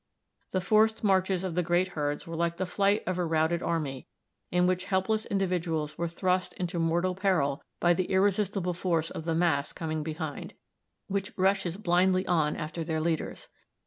The forced marches of the great herds were like the flight of a routed army, in which helpless individuals were thrust into mortal peril by the irresistible force of the mass coming behind, which rushes blindly on after their leaders.